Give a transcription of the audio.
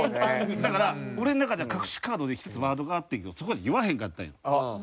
だから俺の中では隠しカードで１つワードがあってんけどそこで言わへんかったんよ。